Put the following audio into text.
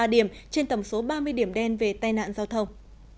hai mươi ba điểm trên tầm số ba mươi điểm đen về tai nạn giao thông